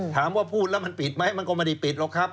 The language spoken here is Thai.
พูดแล้วมันปิดไหมมันก็ไม่ได้ปิดหรอกครับ